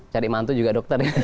cari mantu juga dokter ya